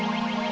ya oke tuhan